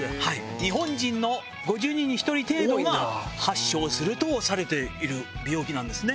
日本人の５０人に１人程度が発症するとされている病気なんですね。